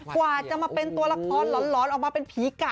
กว่าจะมาเป็นตัวละครหลอนออกมาเป็นผีกะ